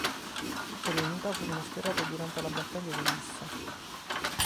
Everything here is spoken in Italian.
Tutte le unità furono schierate durante la battaglia di Lissa.